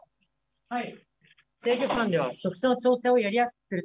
はい。